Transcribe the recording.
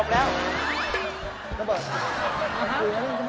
มีเรื่องรัว